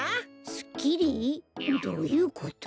どういうこと？